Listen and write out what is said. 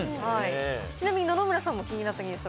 ちなみに、野々村さんも気になったニュースは。